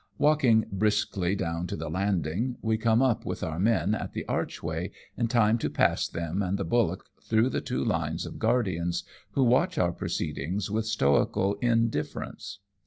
Walking briskly down to the landing, we come up with our men at the Archway, in time to pass them and the bullock through the two lines of guardians, who watch our proceedings with stoical indifierence.